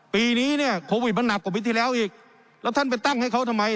ปีนี้เนี่ยโควิดมันหนักกว่าปีที่แล้วอีกแล้วท่านไปตั้งให้เขาทำไม